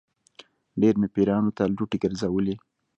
ډېر مې پیرانو ته لوټې ګرځولې.